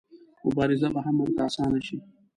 مبارزه به هم ورته اسانه شي.